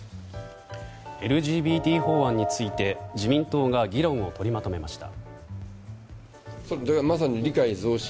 ＬＧＢＴ法案について自民党が議論を取りまとめました。